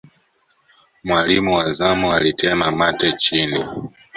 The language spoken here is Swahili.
mwalimu wa zamu alitema mate chini